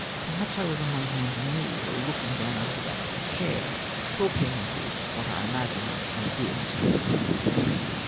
Perhaps I was on my hands and knees, or looking down over the back of a chair, talking into what I imagined an abyss.